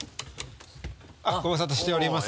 ご無沙汰しております。